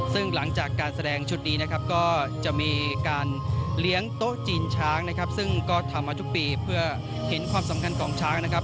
ซึ่งหลังจากการแสดงชุดนี้นะครับก็จะมีการเลี้ยงโต๊ะจีนช้างนะครับซึ่งก็ทำมาทุกปีเพื่อเห็นความสำคัญของช้างนะครับ